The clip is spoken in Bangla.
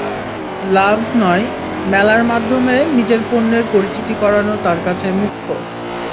লাভ নয়, মেলার মাধ্যমে নিজের পণ্যের পরিচিতি করানো তাঁর কাছে মুখ্য।